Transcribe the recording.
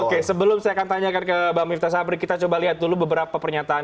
oke sebelum saya akan tanyakan ke bang miftah sabri kita coba lihat dulu beberapa pernyataan